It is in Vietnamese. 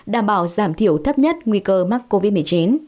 đảm bảo giảm thiểu thấp nhất nguy cơ mắc covid một mươi chín